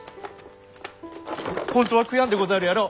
本当は悔やんでござるやろ！